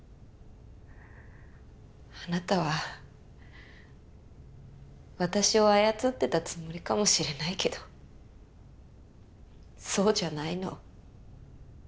あなたは私を操ってたつもりかもしれないけどそうじゃないの。